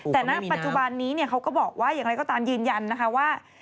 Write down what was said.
แต่ณปัจจุบันนี้เขาก็บอกว่าอย่างไรก็ตามยืนยันนะคะว่า